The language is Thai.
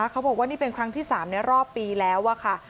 เขาบอกว่านี่เป็นครั้งที่๓ในรอบปีแล้วค่ะ